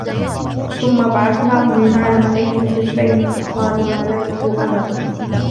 ثُمَّ بَعَثْنَاهُمْ لِنَعْلَمَ أَيُّ الْحِزْبَيْنِ أَحْصَى لِمَا لَبِثُوا أَمَدًا